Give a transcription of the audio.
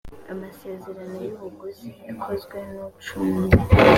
amasezerano y ubuguzi yakozwe n ucunga